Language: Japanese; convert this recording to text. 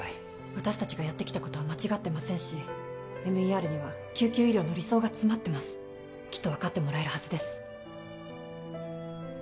私達がやってきたことは間違ってませんしＭＥＲには救急医療の理想が詰まってますきっと分かってもらえるはずです